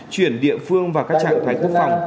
chuyển địa phương vào các trạng thái quốc phòng